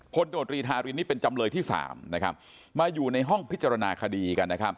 พลตนทารินนี่เป็นจำลยที่๓มาอยู่ในห้องพิจารณาคดี